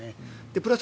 プラス